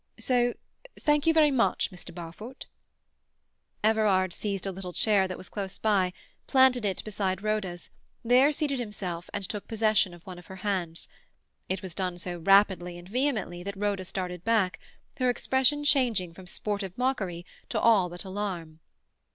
So—thank you very much, Mr. Barfoot." Everard seized a little chair that was close by, planted it beside Rhoda's, there seated himself and took possession of one of her hands. It was done so rapidly and vehemently that Rhoda started back, her expression changing from sportive mockery to all but alarm.